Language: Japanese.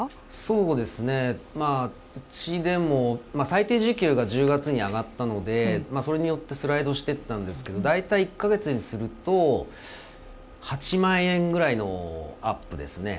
うちでも最低時給が１０月に上がったのでそれによってスライドしていったんですけど大体１か月にすると８万円ぐらいのアップですね